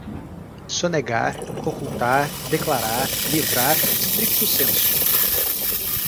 sonegar, ocultar, declarar, livrar, stricto sensu